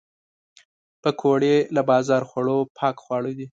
پکورې له بازار خوړو پاک خواړه دي